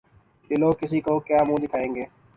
یہ لوگ کسی کو کیا منہ دکھائیں گے؟